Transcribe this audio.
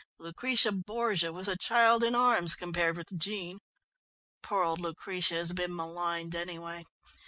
Lucretia Borgia was a child in arms compared with Jean poor old Lucretia has been maligned, anyway.